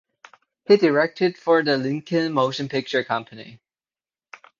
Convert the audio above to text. He directed for the Lincoln Motion Picture Company.